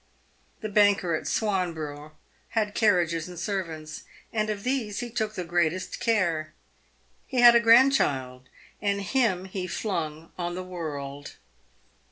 The banker at Swanborough had carriages and servants, and of these he took the greatest care. He had a grandchild, and him he flung on the world.